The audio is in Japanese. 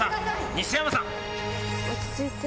西山さん！